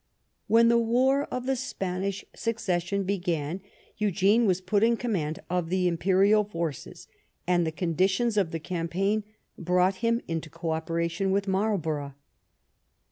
When the War of the Spanish Succession began Eugene was put in command of the imperial forces, and the conditions of the campaign brought him into co operation with Marlborough.